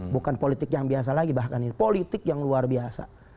bukan politik yang biasa lagi bahkan ini politik yang luar biasa